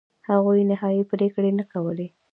هغوی نهایي پرېکړې نه کولې.